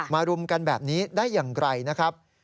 รุมกันแบบนี้ได้อย่างไรนะครับ